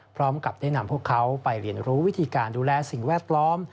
พร้อมกับได้นำพวกเขาไปเรียนรู้วิธีการดูแลสิ่งแวดล้อม